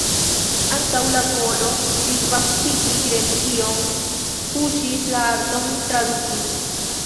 Ankaŭ la volo disvastigi religion puŝis la arton traduki.